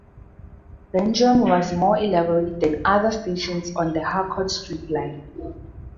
Dundrum was more elaborate than other stations on the Harcourt Street line.